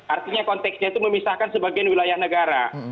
artinya konteksnya itu memisahkan sebagian wilayah negara